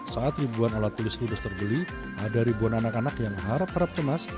saat ribuan alat tulis ludes terbeli ada ribuan anak anak yang harap harap cemas